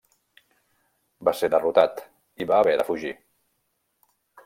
Va ser derrotat i va haver de fugir.